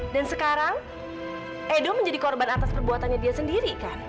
dan sekarang edo menjadi korban atas perbuatannya dia sendiri kan